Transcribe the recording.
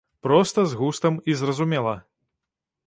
Проста, з густам і зразумела.